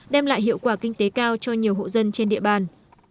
đem lại hiệu quả kinh tế cao cho nhiều hộ dân trên địa bàn